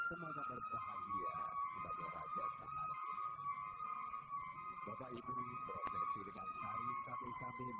selamat berbahagia kepada dua hari kedua mempelai